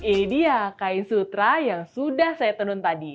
ini dia kain sutra yang sudah saya tenun tadi